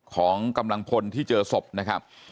ของกำลังพลที่เจอศพนะครับ